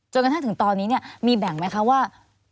จนกระทั่งถึงตอนนี้มีแบ่งไหมว่า